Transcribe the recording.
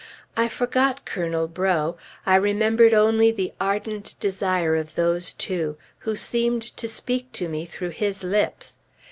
I forgot Colonel Breaux; I remembered only the ardent desire of those two, who seemed to speak to me through his lips.